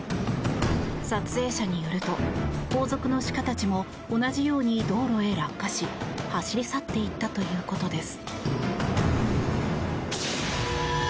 撮影者によると、後続の鹿たちも同じように道路へ落下し走り去っていったということです。